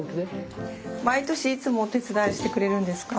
毎年いつもお手伝いしてくれるんですか？